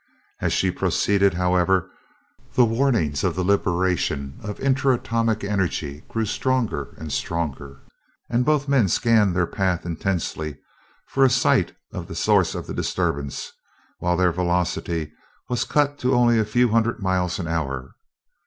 As she proceeded, however, the warnings of the liberation of intra atomic energy grew stronger and stronger, and both men scanned their path intensely for a sight of the source of the disturbance, while their velocity was cut to only a few hundred miles an hour.